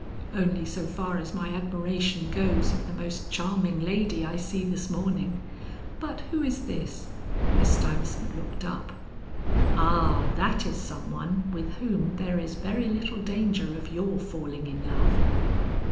"Only so far as my admiration goes of the most charming lady I see this morning. But who is this?" Miss Stuyvesant looked up. "Ah, that is some one with whom there is very little danger of your falling in love."